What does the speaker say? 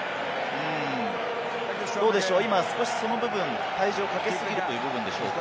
今、少しその部分、体重をかけ過ぎるという部分でしょうか。